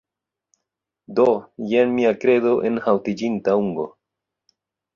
Do, jen mia kredo enhaŭtiĝinta ungo